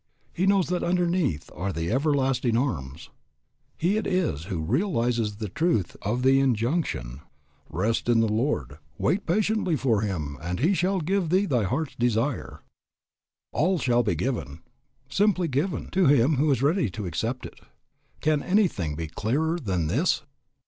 He knows that underneath are the everlasting arms. He it is who realizes the truth of the injunction, "Rest in the Lord, wait patiently for Him and He shall give thee thy heart's desire." All shall be given, simply given, to him who is ready to accept it. Can anything be clearer than this?